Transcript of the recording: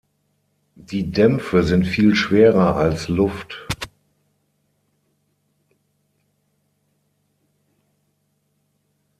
Die Dämpfe sind viel schwerer als Luft.